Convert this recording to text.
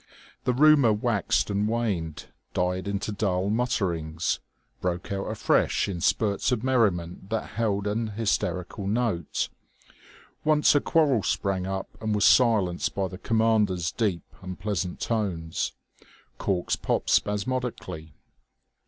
The rumour waxed and waned, died into dull mutterings, broke out afresh in spurts of merriment that held an hysterical note. Once a quarrel sprang up and was silenced by the commander's deep, unpleasant tones. Corks popped spasmodically.